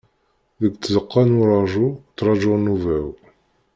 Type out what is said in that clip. Deg tzeqqa n uraju, ttrajuɣ nnuba-w.